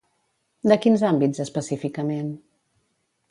De quins àmbits, específicament?